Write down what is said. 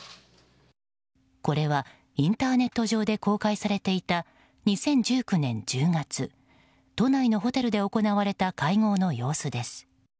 これは、インターネット上で公開されていた２０１９年１０月都内のホテルで行われた会合の様子です。